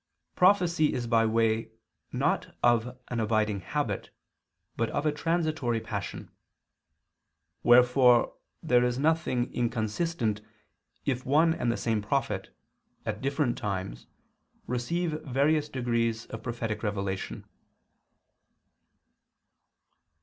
2), prophecy is by way, not of an abiding habit, but of a transitory passion; wherefore there is nothing inconsistent if one and the same prophet, at different times, receive various degrees of prophetic revelation.